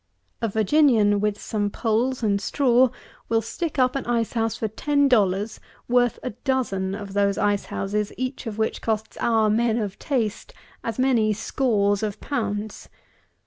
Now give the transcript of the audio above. A Virginian, with some poles and straw, will stick up an ice house for ten dollars, worth a dozen of those ice houses, each of which costs our men of taste as many scores of pounds.